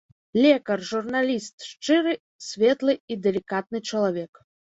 Лекар, журналіст, шчыры, светлы і далікатны чалавек.